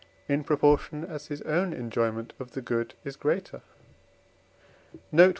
in proportion as his own enjoyment of the good is greater. Note I.